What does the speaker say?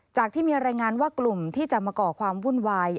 ที่มีรายงานว่ากลุ่มที่จะมาก่อความวุ่นวาย